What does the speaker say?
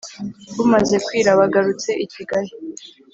bumaze kwira bagarutse i kigali,